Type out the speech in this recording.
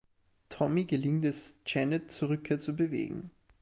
Tommy gelingt es, Janet zur Rückkehr zu bewegen.